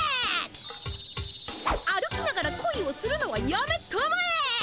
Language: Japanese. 歩きながらこいをするのはやめたまえ！